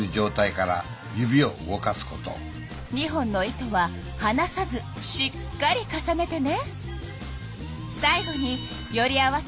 ２本の糸ははなさずしっかり重ねてね。